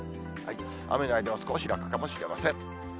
雨の間は少し楽かもしれません。